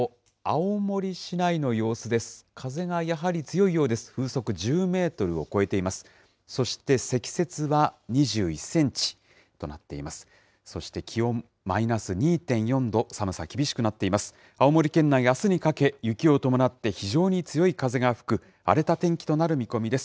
青森県内、あすにかけ、雪を伴って非常に強い風が吹く荒れた天気となる見込みです。